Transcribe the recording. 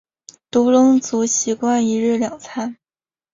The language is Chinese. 独龙族习惯一日两餐。